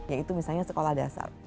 yaitu misalnya sekolah dasar